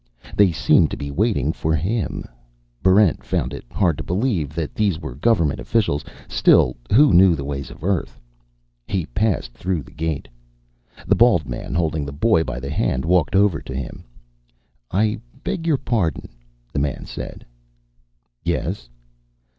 They seemed to be waiting for him. Barrent found it hard to believe that these were government officials; still, who knew the ways of Earth? He passed through the gate. The bald man, holding the boy by the hand, walked over to him. "I beg your pardon," the man said. "Yes?"